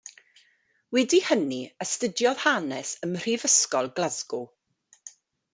Wedi hynny astudiodd Hanes ym Mhrifysgol Glasgow.